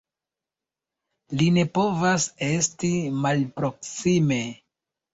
Li ne povas esti malproksime!